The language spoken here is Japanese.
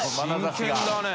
真剣だね！